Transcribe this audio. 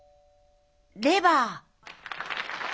レバー。